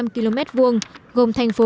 ba hai trăm linh km vuông gồm thành phố